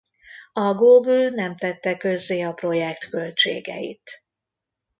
A Google nem tette közzé a projekt költségeit.